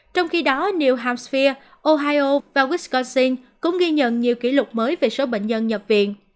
trong khi đó new hampshire ohio và wisconsin cũng ghi nhận nhiều kỷ lục mới về số bệnh nhân nhập viện